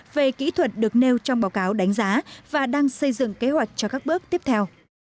về kỹ thuật được nêu trong báo cáo đánh giá và đang xây dựng kế hoạch cho các bước tiếp theo